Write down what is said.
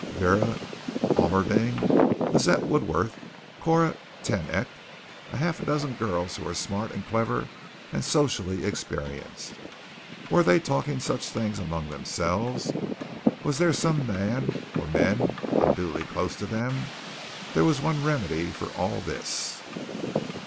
Vera Almerding; Lizette Woodworth; Cora TenEyck a half dozen girls who were smart and clever and socially experienced. Were they talking such things among themselves? Was there some man or men unduly close to them? There was one remedy for all this.